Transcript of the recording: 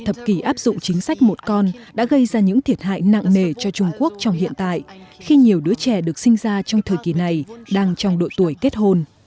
trong thập kỷ áp dụng chính sách một con đã gây ra những thiệt hại nặng nề cho trung quốc trong hiện tại khi nhiều đứa trẻ được sinh ra trong thời kỳ này đang trong độ tuổi kết hôn